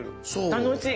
楽しい！